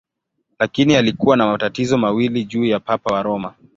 Lakini alikuwa na matatizo mawili juu ya Papa wa Roma.